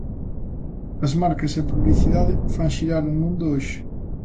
As marcas e a publicidade fan xirar o mundo hoxe.